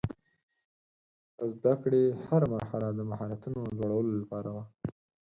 د زده کړې هره مرحله د مهارتونو لوړولو لپاره وه.